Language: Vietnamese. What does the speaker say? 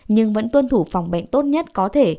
nhưng vẫn tuân thủ phòng bệnh tốt nhất có thể